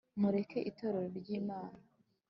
mureke itorero ry'imana